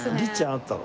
あったろ？